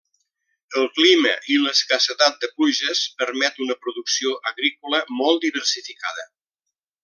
El clima i l'escassetat de pluges permet una producció agrícola molt diversificada.